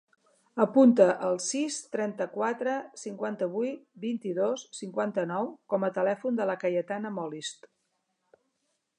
Apunta el sis, trenta-quatre, cinquanta-vuit, vint-i-dos, cinquanta-nou com a telèfon de la Cayetana Molist.